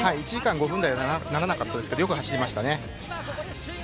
１時間５分台にはならなかったんですけれどよく走りました。